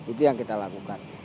itu yang kita lakukan